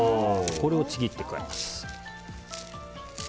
これをちぎって加えます。